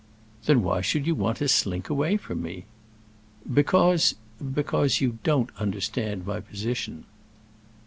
"Then why should you want to slink away from me?" "Because—because you don't understand my position."